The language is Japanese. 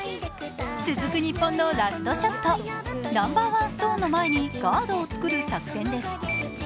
続く、日本のラストショットナンバーワンストーンの前にガードを作る作戦です。